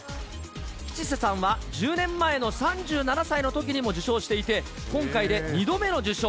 吉瀬さんは１０年前の３７歳のときにも受賞していて、今回で２度目の受賞。